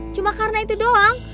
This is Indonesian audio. cuma karena itu doang